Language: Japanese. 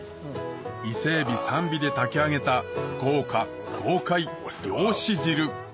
伊勢エビ３尾で炊き上げた豪華豪快漁師汁！